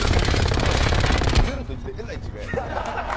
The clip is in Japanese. ゼロと１でえらい違い。